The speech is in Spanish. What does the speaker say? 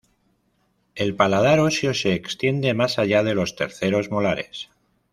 El paladar óseo se extiende más allá de los terceros molares.